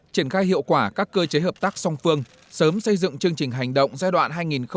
triển khai hiệu quả các cơ chế hợp tác song phương sớm xây dựng chương trình hành động giai đoạn hai nghìn một mươi sáu hai nghìn hai mươi